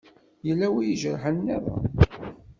Yella wi ijerḥen-nniḍen?